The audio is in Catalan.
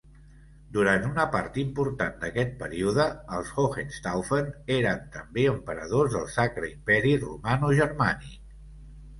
Durant una part important d'aquest període, els Hohenstaufen eren també Emperadors del Sacre Imperi Romanogermànic.